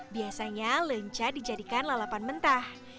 biasanya lenca dijadikan lalapan mentah